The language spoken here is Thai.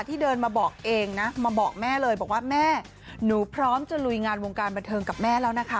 เดินมาบอกเองนะมาบอกแม่เลยบอกว่าแม่หนูพร้อมจะลุยงานวงการบันเทิงกับแม่แล้วนะคะ